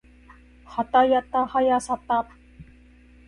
はたやたはやさた